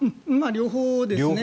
両方ですね。